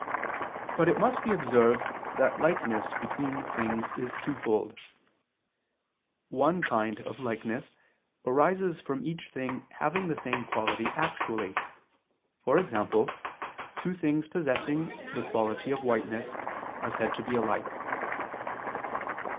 But it must be observed that likeness between things is twofold. One kind of likeness arises from each thing having the same quality actually: for example, two things possessing the quality of whiteness are said to be alike.